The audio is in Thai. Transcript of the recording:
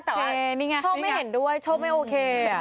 แต่ว่าโชคไม่เห็นด้วยโชคไม่โอเค